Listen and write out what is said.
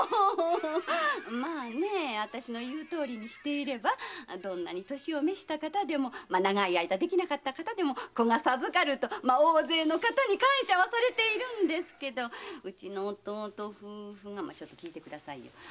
私の言うとおりにしていればどんなに年を召した方でも長い間できなかった方でも子が授かると大勢の方に感謝をされているんですけどうちの弟夫婦がちょっと聞いてくださいよ。